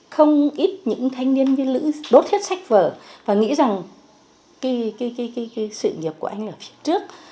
không ít những thanh niên như lữ đốt hết sách vở và nghĩ rằng sự nghiệp của anh ở trước